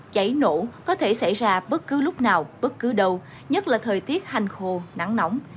cháy nổ có thể xảy ra bất cứ lúc nào bất cứ đâu nhất là thời tiết hành khô nắng nóng